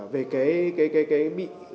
về cái bị